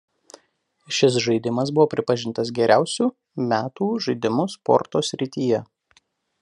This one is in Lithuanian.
Šis žaidimas buvo pripažintas geriausiu metų žaidimu sporto srityje.